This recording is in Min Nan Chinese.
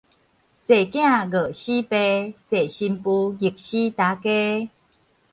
濟囝餓死爸，濟新婦逆死大家